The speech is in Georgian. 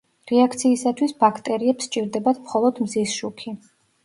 რეაქციისათვის ბაქტერიებს სჭირდებათ მხოლოდ მზის შუქი.